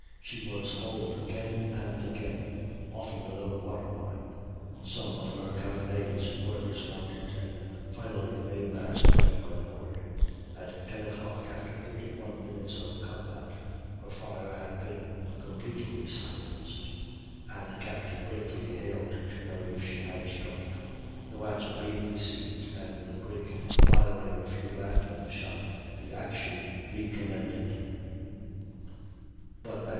She was hulled again and again, often below water line; some of her carronades were dismounted, and finally the main mast went by the board. At 10.00, after 31 minutes of combat, her fire had been completely silenced and Captain Blakely hailed to know if she had struck. No answer being received, and the brig firing a few random shot, the action recommended; but at 10.